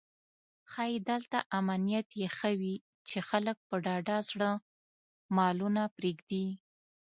ښایي دلته امنیت یې ښه وي چې خلک په ډاډه زړه مالونه پرېږدي.